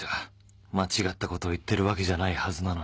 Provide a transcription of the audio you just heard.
間違ったことを言ってるわけじゃないはずなのに